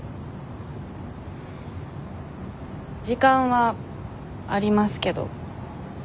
時間はありますけど。